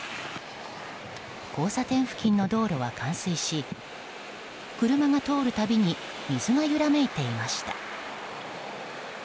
交差点付近の道路は冠水し車が通るたびに水が揺らめいていました。